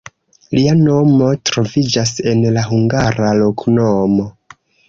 Lia nomo troviĝas en la hungara loknomo.